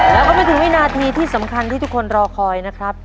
แล้วก็ไม่ถึงวินาทีที่สำคัญที่ทุกคนรอคอยนะครับ